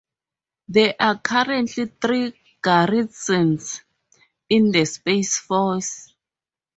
There are currently three garrisons in the Space Force.